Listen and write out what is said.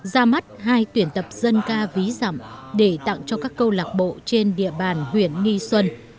ra mắt hai tuyển tập dân ca ví giảm để tặng cho các câu lạc bộ trên địa bàn huyện nghi xuân